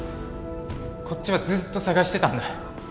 こっちはずっと捜してたんだ。